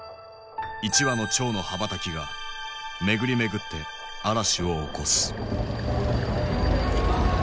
一羽の蝶の羽ばたきが巡り巡って嵐を起こす。